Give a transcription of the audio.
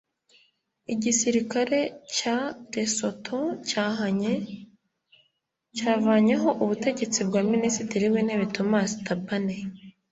Igisirikare cya Lesotho cyahakanye cyavanyeho ubutegetsi bwa Minisitiri w’Intebe Thomas Thabane